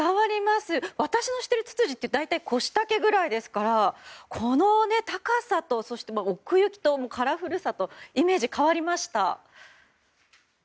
私の知っているツツジって大体、腰丈くらいですからこの高さと奥行きとカラフルさとイメージが変わりました。